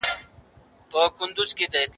کیني ګر انسان د خدای له رحمت لیرې دی.